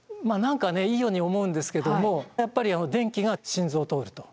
いいように思うんですけどもやっぱり電気が心臓を通ると。